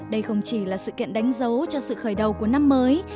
đây không chỉ là sự kiện đánh dấu cho sự khởi đầu của năm mới